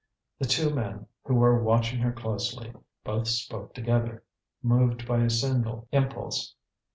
The two men, who were watching her closely, both spoke together, moved by a single impulse.